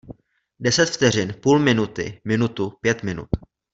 Deset vteřin, půl minuty, minutu, pět minut...